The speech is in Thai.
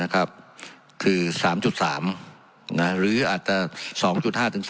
คือ๓๓หรืออาจจะ๒๕๓